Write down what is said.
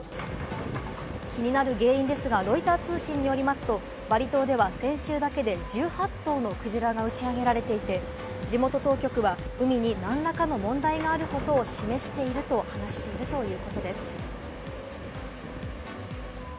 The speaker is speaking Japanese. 気になる原因ですが、ロイター通信によりますと、バリ島では先週だけで１８頭のクジラが打ちあげられていて、地元当局は海に何らかの問題があることを示していると話しているということです。